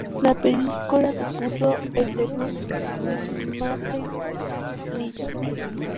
La película supuso el debut de Matthew Lillard.